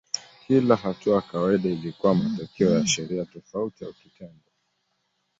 Kila hatua kawaida ilikuwa matokeo ya sheria tofauti au kitendo.